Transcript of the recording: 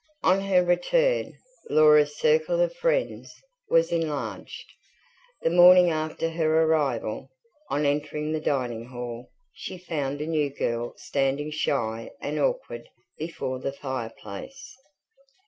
On her return, Laura's circle of friends was enlarged. The morning after her arrival, on entering the dining hall, she found a new girl standing shy and awkward before the fireplace.